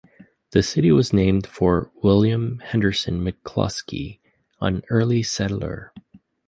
The city was named for William Henderson McClusky, an early settler.